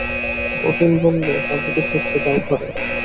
অতীন বললে, বাবুকে ঢুকতে দাও ঘরে।